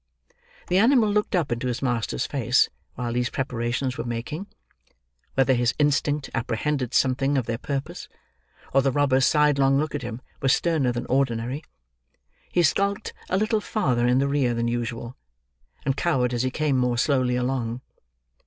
The animal looked up into his master's face while these preparations were making; whether his instinct apprehended something of their purpose, or the robber's sidelong look at him was sterner than ordinary, he skulked a little farther in the rear than usual, and cowered as he came more slowly along.